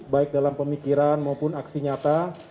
baik dalam pemikiran maupun aksi nyata